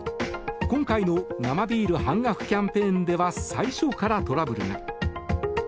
今回の生ビール半額キャンペーンでは最初からトラブルが。